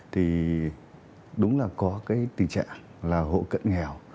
thì đúng là có cái tình trạng là hộ cận nghèo